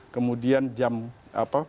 kemudian jam apa